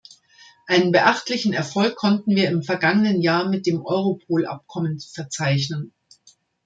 Einen beachtlichen Erfolg konnten wir im vergangenen Jahr mit dem Europol-Abkommen verzeichnen.